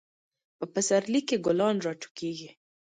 په پسرلی کې ګلان راټوکیږي.